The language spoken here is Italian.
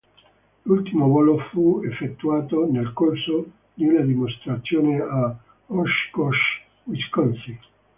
L'ultimo volo fu effettuato nel corso di una dimostrazione a Oshkosh, Wisconsin.